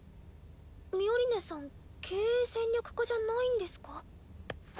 ミオリネさん経営戦略科じゃないんですか？